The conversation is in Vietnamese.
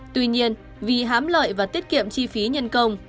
tuy nhiên vì hám lợi và tiết kiệm chi phí nhân công